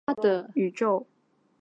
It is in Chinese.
绿巨人浩克漫威电影宇宙